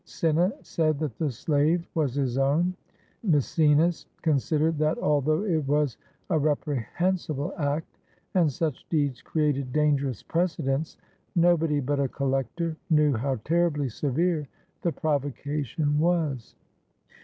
Cinna said that the slave was his own. Maece nas considered that although it was a reprehensible act (and such deeds created dangerous precedents), nobody but a collector knew how terribly severe the provocation was.